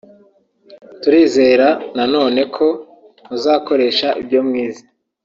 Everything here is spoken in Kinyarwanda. turizera na none ko muzakoresha ibyo mwize